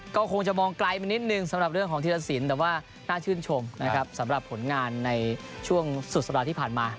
ก็คงจะมองไกลไปนิดนึงสำหรับเรื่องของธีรสินแต่ว่าน่าชื่นชมนะครับสำหรับผลงานในช่วงสุดสัปดาห์ที่ผ่านมา